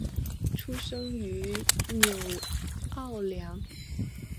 出生于纽奥良。